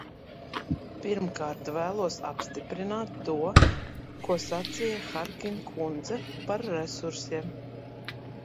Pirmkārt, vēlos apstiprināt to, ko sacīja Harkin kundze par resursiem.